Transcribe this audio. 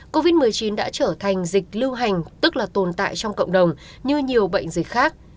covid một mươi chín đã trở thành dịch lưu hành tức là tồn tại trong cộng đồng như nhiều bệnh dịch khác